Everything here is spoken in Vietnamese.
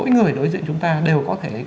người đối diện chúng ta đều có thể